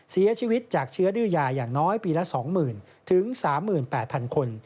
เสียชีวิตจากเชื้อดื้อยาอย่างน้อยปีละ๒๐๐๐๓๘๐๐คน